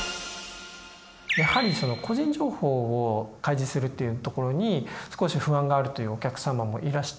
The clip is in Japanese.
やはり個人情報を開示するっていうところに少し不安があるというお客様もいらして。